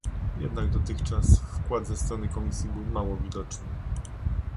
Jednak dotychczas wkład ze strony Komisji był mało widoczny